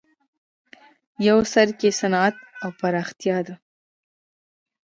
یو څرک یې صنعت او پراختیا ده.